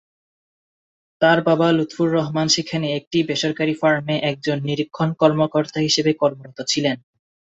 তার বাবা লুৎফর রহমান সেখানে একটি বেসরকারি ফার্মে একজন নিরীক্ষণ কর্মকর্তা হিসেবে কর্মরত ছিলেন।